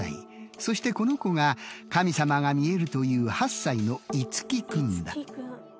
そしてこの子が神さまが見えるという８歳の樹君だ。